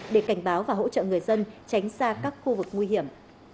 để cảnh báo và hỗ trợ người dân tránh xa các khu vực nguy hiểm